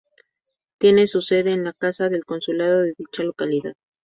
Tiene su sede en la Casa del Consulado de dicha localidad.